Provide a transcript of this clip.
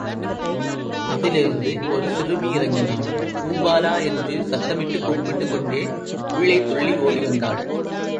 அதிலிருந்து ஒரு சிறுமி இறங்கினாள் பூபாலா என்று சத்தமிட்டுக் கூப்பிட்டுக் கொண்டே உள்ளே துள்ளி ஓடி வந்தாள்.